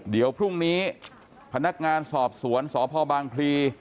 เดี๋ยวพรุ่งนี้พนักงานสอบสวนสพบางพลี